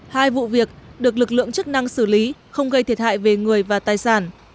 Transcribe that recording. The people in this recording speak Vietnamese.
hai vụ việc được lực lượng chức năng xử lý không gây thiệt hại về người và tài sản